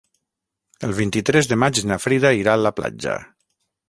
El vint-i-tres de maig na Frida irà a la platja.